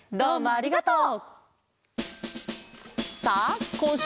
ありがとう。